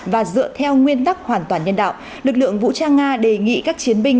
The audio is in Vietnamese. và dựa theo nguyên tắc hoàn toàn nhân đạo lực lượng vũ trang nga đề nghị các chiến binh